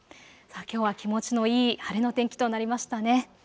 きょうは気持ちのいい晴れの天気となりましたね。